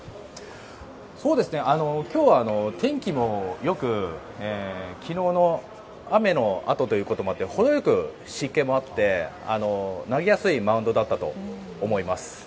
今日は天気も良く昨日の雨のあとということもあり程良く湿気もあって、投げやすいマウンドだったと思います。